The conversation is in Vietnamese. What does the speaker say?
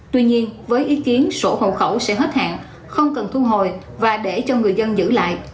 tuy nhiên với ý kiến sổ hộ khẩu sẽ hết hạn không cần thu hồi và để cho người dân giữ lại